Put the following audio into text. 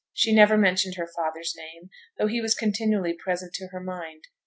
She never mentioned her father's name, though he was continually present to her mind.